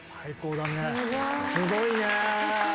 すごいね。